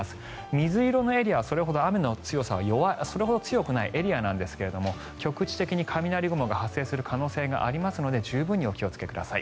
水色のエリアはそれほど強くないエリアなんですが局地的に雷雲が発生する可能性があるので十分に気をつけてください。